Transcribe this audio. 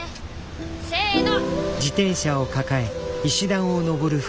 せの。